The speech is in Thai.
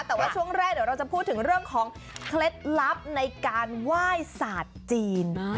แต่ว่าช่วงแรกเดี๋ยวเราจะพูดถึงเรื่องของเคล็ดลับในการไหว้ศาสตร์จีน